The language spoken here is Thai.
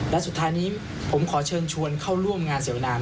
และสุดท้ายนี้ผมขอเชิญชวนเข้าร่วมงานเสวนาม